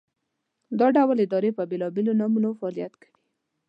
دا ډول ادارې په بېلابېلو نومونو فعالیت کوي.